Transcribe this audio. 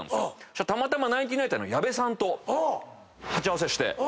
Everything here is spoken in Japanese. そしたらたまたまナインティナインの矢部さんと鉢合わせして。